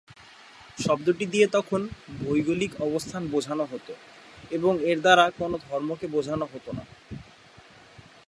শব্দটি দিয়ে তখন ভৌগোলিক অবস্থান বোঝানো হত এবং এর দ্বারা কোন ধর্মকে বোঝানো হত না।